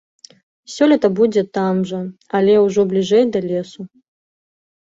Сёлета будзе там жа, але ўжо бліжэй да лесу.